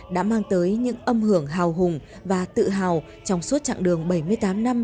đã mang tới những âm hưởng hào hùng và tự hào trong suốt chặng đường bảy mươi tám năm